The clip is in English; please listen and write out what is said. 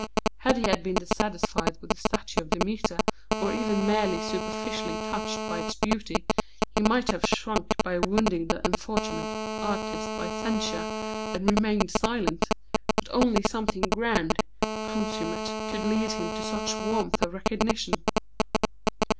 Had he been dissatisfied with the statue of Demeter, or even merely superficially touched by its beauty, he might have shrunk from wounding the unfortunate artist by censure, and remained silent; but only something grand, consummate, could lead him to such warmth of recognition.